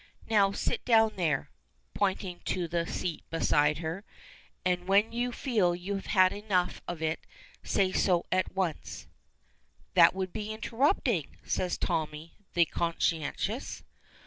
"Now, sit down there," pointing to the seat beside her; "and when you feel you have had enough of it, say so at once." "That would be interrupting," says Tommy, the Conscientious.